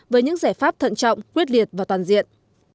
với những giải pháp thận trọng quyết liệt và toàn diện